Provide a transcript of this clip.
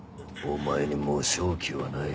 お前にもう勝機はない。